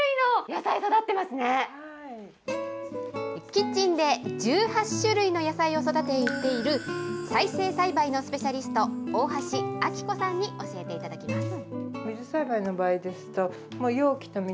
キッチンで１８種類の野菜を育てている再生栽培のスペシャリスト、大橋明子さんに教えていただきます。